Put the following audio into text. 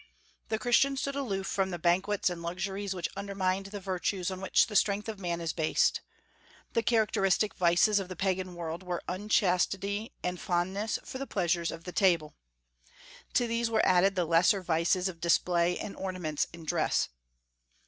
The Christian stood aloof from the banquets and luxuries which undermined the virtues on which the strength of man is based. The characteristic vices of the Pagan world were unchastity and fondness for the pleasures of the table. To these were added the lesser vices of display and ornaments in dress.